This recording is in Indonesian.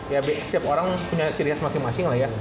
ya setiap orang punya ciri khas masing masing lah ya